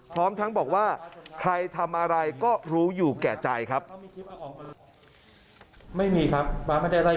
พร้อมทั้งบอกว่าใครทำอะไรก็รู้อยู่แก่ใจครับ